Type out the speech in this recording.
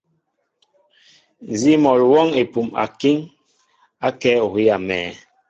Nzi mol awɔŋ epum akiŋ, akɛ ohii amɛɛ.